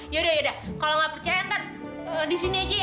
yaudah kalau gak percaya nanti disini aja ya